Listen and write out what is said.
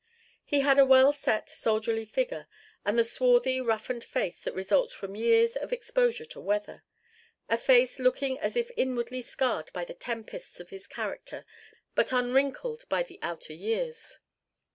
He had a well set soldierly figure and the swarthy roughened face that results from years of exposure to weather a face looking as if inwardly scarred by the tempests of his character but unwrinkled by the outer years.